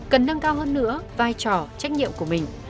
cần nâng cao hơn nữa vai trò trách nhiệm của mình